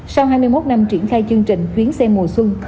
sau hai mươi một năm triển khai chương trình chuyến xe mùa xuân